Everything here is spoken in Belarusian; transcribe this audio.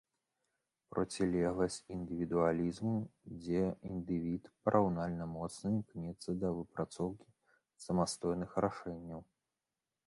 Процілегласць індывідуалізму, дзе індывід параўнальна моцна імкнецца да выпрацоўкі самастойных рашэнняў.